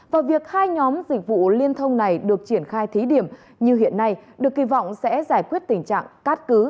và việc hai nhóm dịch vụ liên thông này được triển khai thí điểm như hiện nay được kỳ vọng sẽ giải quyết tình trạng cát cứ